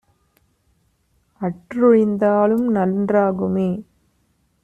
அற்றொழிந் தாலும்நன் றாகுமே!